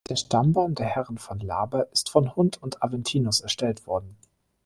Der Stammbaum der Herren von Laaber ist von Hund und Aventinus erstellt worden.